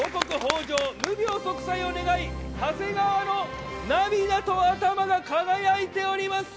じょう、無病息災を願い、長谷川の涙と頭が輝いております。